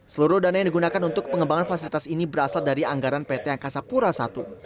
seluruh dana yang digunakan untuk pengembangan fasilitas ini berasal dari anggaran pt angkasa pura i